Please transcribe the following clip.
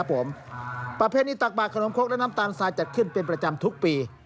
ประเพณีตักบาดขนมคกและน้ำตาลทรายจัดขึ้นเป็นประจำทุกปี